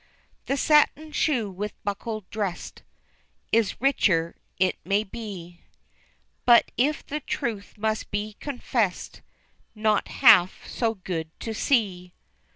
The satin shoe with buckle drest Is richer, it may be, But if the truth must be confest, Not half so good to see.